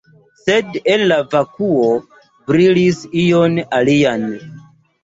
Sed, el la vakuo brilis ion alian.